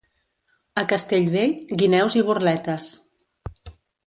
A Castellvell, guineus i burletes.